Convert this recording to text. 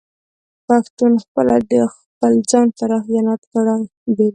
پښتون خپله د خپل ځان سره خيانت کړي